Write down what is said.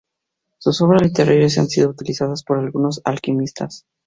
Sus obras literarias han sido utilizados por algunos alquimistas.